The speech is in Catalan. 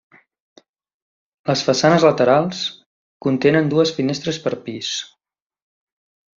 Les façanes laterals contenen dues finestres per pis.